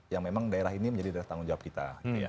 yang memang daerah ini menjadi daerah tanggung jawab kita